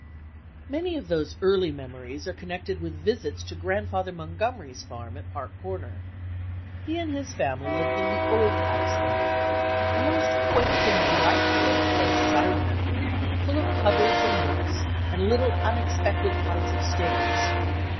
Many of those early memories are connected with visits to Grandfather Montgomery's farm at Park Comer. He and his family lived in the "old house" then, a most quaint and delightful old place as 1 remember it, full of cupboards and nooks, and little, unexpected flights of stairs.